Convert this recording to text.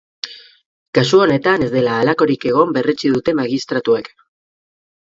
Kasu honetan ez dela halakorik egon berretsi dute magistratuek.